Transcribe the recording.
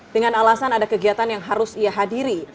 dengan alasan ada kegiatan yang harus ia hadiri